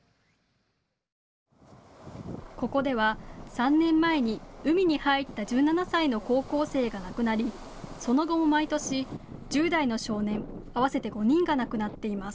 ここでは、３年前に海に入った１７歳の高校生が亡くなりその後も毎年、１０代の少年合わせて５人が亡くなっています。